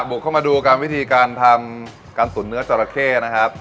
บุกเข้ามาดูการวิธีการทำการตุ๋นเนื้อจราเข้นะครับ